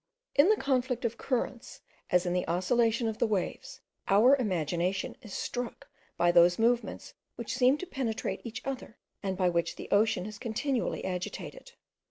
In the conflict of currents, as in the oscillation of the waves, our imagination is struck by those movements which seem to penetrate each other, and by which the ocean is continually agitated.